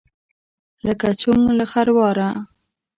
لکه: چونګ له خرواره.